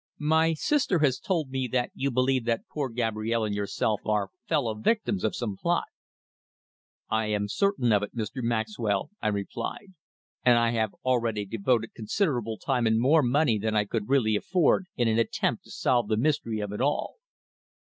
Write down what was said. "My sister has told me that you believe that poor Gabrielle and yourself are fellow victims of some plot." "I am certain of it, Mr. Maxwell," I replied. "And I have already devoted considerable time and more money than I could really afford in an attempt to solve the mystery of it all."